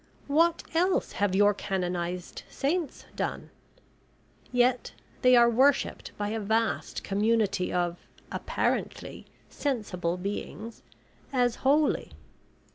What else have your canonised Saints done? Yet they are worshipped by a vast community of apparently sensible beings, as holy.